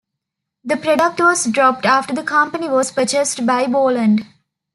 The product was dropped after the company was purchased by Borland.